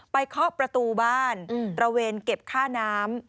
เคาะประตูบ้านตระเวนเก็บค่าน้ำ